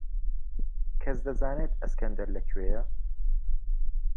کەس دەزانێت ئەسکەندەر لەکوێیە؟